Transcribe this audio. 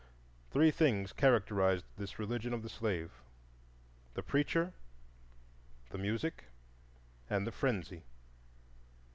Three things characterized this religion of the slave,—the Preacher, the Music, and the Frenzy.